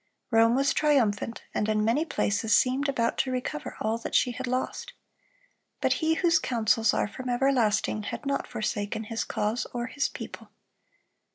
Rome was triumphant, and in many places seemed about to recover all that she had lost. But He whose counsels are from everlasting had not forsaken His cause or His people.